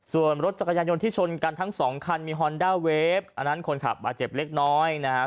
ส่วนรถจักรยานยนต์ที่ชนกันทั้งสองคันมีฮอนด้าเวฟอันนั้นคนขับบาดเจ็บเล็กน้อยนะครับ